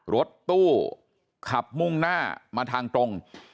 รถตู้ขับมุ่งหน้ามาทางตรง